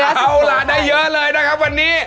เอาล่ะได้เยอะเลยนะครับวันนี้